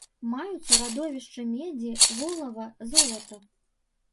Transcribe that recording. Маюцца радовішчы медзі, волава, золата.